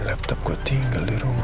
laptop gue tinggal di rumah